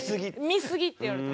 見すぎって言われて。